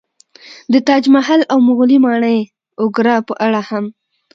د تاج محل او مغولي ماڼۍ اګره په اړه هم